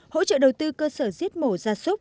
hỗ trợ đầu tư cơ sở diết mổ gia súc